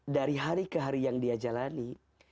dari hari ke hari yang dia jalani